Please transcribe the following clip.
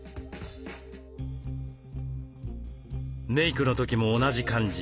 メークの時も同じ感じ。